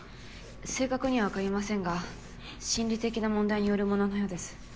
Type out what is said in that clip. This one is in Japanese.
正確には分かりませんが心理的な問題によるもののようです。